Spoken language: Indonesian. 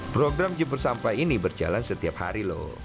program jempur sampah ini berjalan setiap hari loh